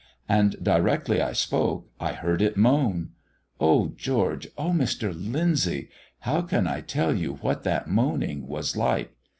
"And directly I spoke I heard it moan. Oh, George, oh, Mr. Lyndsay, how can I tell you what that moaning was like!